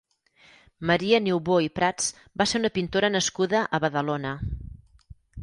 Maria Niubó i Prats va ser una pintora nascuda a Badalona.